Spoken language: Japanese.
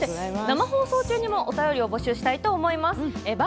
生放送中にもお便りを募集したいと思います。